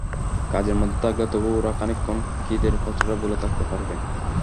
কাজের মধ্যে থাকলে তবু ওরা খানিকক্ষণ খিদের কথাটা ভুলে থাকতে পারবে।